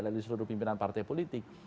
dari seluruh pimpinan partai politik